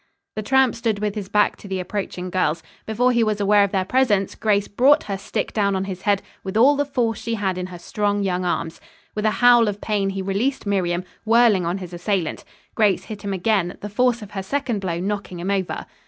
The tramp stood with his back to the approaching girls. Before he was aware of their presence, Grace brought her stick down on his head with all the force she had in her strong, young arms. With a howl of pain he released Miriam, whirling on his assailant. Grace hit him again, the force of her second blow knocking him over.